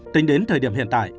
tính đến thời điểm hiện tại